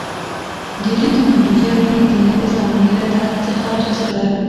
د لید محدودیت دوی د نوې زمانې له درک څخه عاجز کړل.